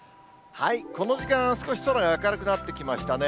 この時間、少し空が明るくなってきましたね。